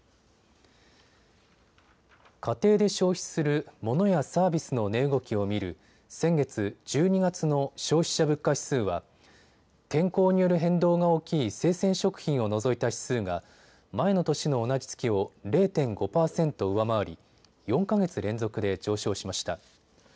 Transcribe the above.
家庭で消費するモノやサービスの値動きを見る先月１２月の消費者物価指数は天候による変動が大きい生鮮食品を除いた指数が前の年の同じ月を０．５％上回り、４か月連続で上昇しました。